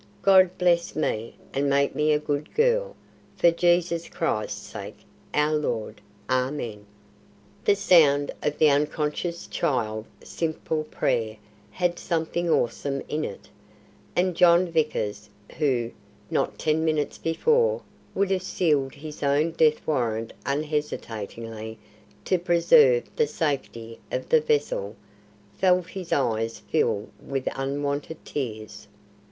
God bless me, and make me a good girl, for Jesus Christ's sake, our Lord. Amen." The sound of the unconscious child's simple prayer had something awesome in it, and John Vickers, who, not ten minutes before, would have sealed his own death warrant unhesitatingly to preserve the safety of the vessel, felt his eyes fill with unwonted tears.